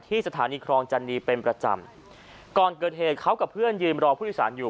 สถานีครองจันนีเป็นประจำก่อนเกิดเหตุเขากับเพื่อนยืนรอผู้โดยสารอยู่